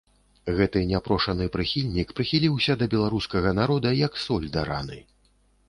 Гэты няпрошаны прыхільнік прыхіліўся да беларускага народа як соль да раны.